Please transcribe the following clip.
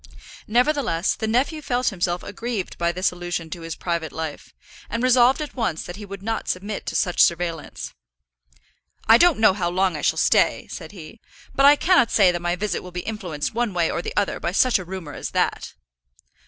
Nevertheless, the nephew immediately felt himself aggrieved by this allusion to his private life, and resolved at once that he would not submit to such surveillance. "I don't know how long I shall stay," said he; "but I cannot say that my visit will be influenced one way or the other by such a rumour as that."